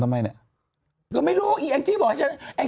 ไปข่าวแรกวันนี้ก่อน